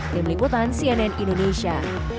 tim liputan cnn indonesia